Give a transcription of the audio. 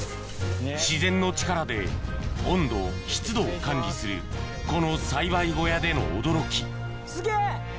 自然の力で温度湿度を管理するこの栽培小屋での驚きすげぇ！